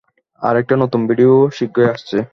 আরেকটা নতুন ভিডিও শীঘ্রই আসছে।